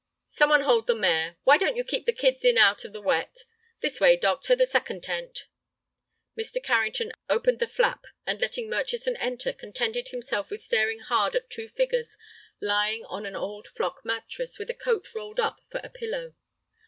"Some one hold the mare. Why don't you keep the kids in out of the wet? This way, doctor, the second tent." Mr. Carrington opened the flap, and, letting Murchison enter, contented himself with staring hard at two figures lying on an old flock mattress with a coat rolled up for a pillow.